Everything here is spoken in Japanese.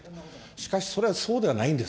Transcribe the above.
しかし、それはそうではないんです。